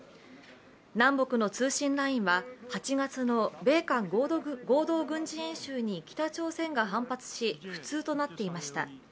南北の通信ラインは８月の米韓合同軍事演習に北朝鮮が反発し、不通となっていました。